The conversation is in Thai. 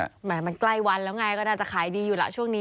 แหมมันใกล้วันแล้วไงก็น่าจะขายดีอยู่ล่ะช่วงนี้